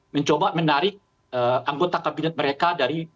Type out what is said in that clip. mencoba menarik anggota kabinet mereka dari